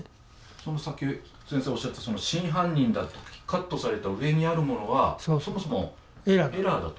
そのさっき先生おっしゃったその真犯人だとカットされた上にあるものはそもそもエラーだと。